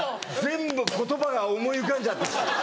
全部言葉が思い浮かんじゃって来て。